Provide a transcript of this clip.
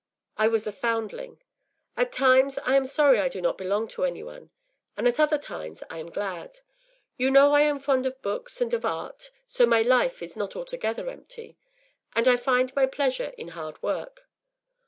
I was a foundling. At times I am sorry I do not belong to any one, and at other times I am glad. You know I am fond of books and of art, so my life is not altogether empty; and I find my pleasure in hard work.